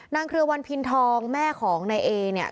นางเคลือวัณฑินทองแม่ของนายเอ๊ะเนี่ย